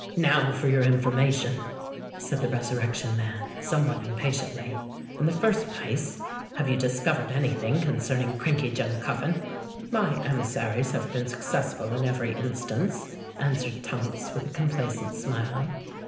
"Now for your information," said the Resurrection Man, somewhat impatiently. "In the first place, have you discovered any thing concerning Crankey Jem Cuffin?" "My emissaries have been successful in every instance," answered Tunks, with a complacent smile.